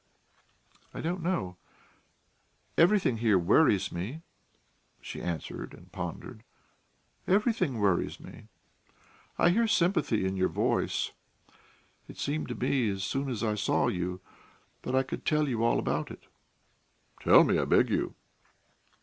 "I don't know. Everything here worries me," she answered, and pondered. "Everything worries me. I hear sympathy in your voice; it seemed to me as soon as I saw you that I could tell you all about it." "Tell me, I beg you."